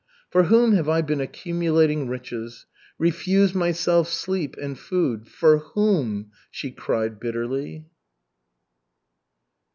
"For whom have I been accumulating riches? Refused myself sleep and food for whom?" she cried bitterly.